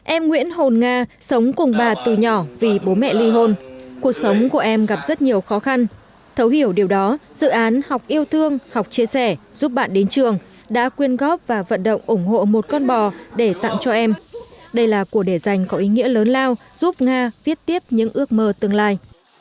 em nguyễn hồn nga sống cùng bà từ nhỏ vì bố mẹ ly hôn cuộc sống của em gặp rất nhiều khó khăn thấu hiểu điều đó dự án học yêu thương học chia sẻ giúp bạn đến trường đã quyên góp và vận động ủng hộ một con bò để tặng cho em đây là cuộc để dành có ý nghĩa lớn lao giúp nga viết tiếp những ước mơ tương lai